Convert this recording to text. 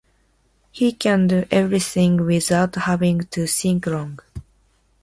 He can do everything without having to think long.